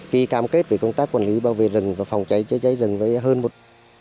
kỳ cam kết về công tác quản lý bảo vệ rừng và phòng cháy cháy rừng với hơn một